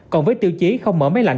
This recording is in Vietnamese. còn với tiêu chí không mở máy lạnh